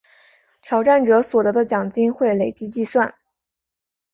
挑战者所得的奖金会累积计算。